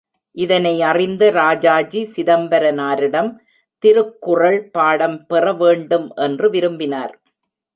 இதனை அறிந்த ராஜாஜி, சிதம்பரனாரிடம் திருக்குறள் பாடம் பெற வேண்டும் என்று விரும்பினார்.